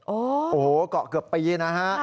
โอ้โหเกาะเกือบปีนะฮะ